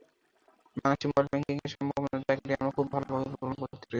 বাংলাদেশে মোবাইল ব্যাংকিংয়ের সম্ভাবনার জায়গাটি আমরা খুব ভালোভাবে প্রমাণ করতে পেরেছি।